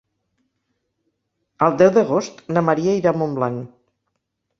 El deu d'agost na Maria irà a Montblanc.